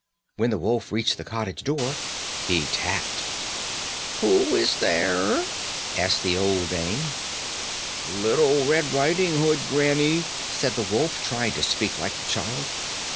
When the wolf reached the cottage door he tapped. "Who is there?" asked the old dame. "Little Red Riding Hood, granny," said the wolf, trying to speak like the child.